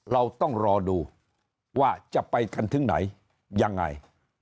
เราต้องรอดูว่าจะไปกันถึงไหนยังไง